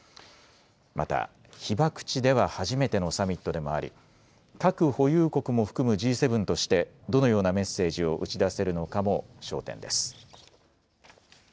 また、被爆地では初めてのサミットでもあり、核保有国も含むＧ７としてどのようなメッセージを打ち出せるのかも焦点です。